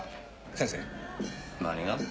先生何が？